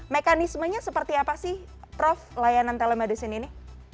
mekanismenya seperti apa sih prof layanan telemedicine ini